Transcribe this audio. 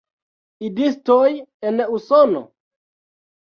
Idistoj en Usono?